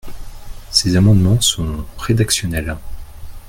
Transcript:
Ces amendements sont rédactionnels.